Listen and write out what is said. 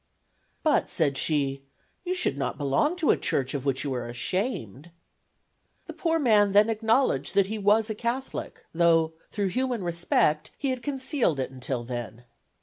"But," said she, "you should not belong to a church of which you are ashamed." The poor man then acknowledged that he was a Catholic, though, through human respect, he had concealed it until then.